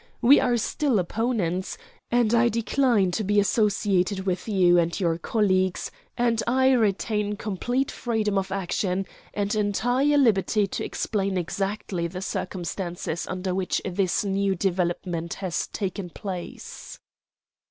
We are still opponents, and I decline to be associated with you and your colleagues, and I retain complete freedom of action and entire liberty to explain exactly the circumstances under which this new development has taken place."